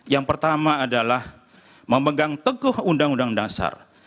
yang pertama adalah memegang teguh undang undang dasar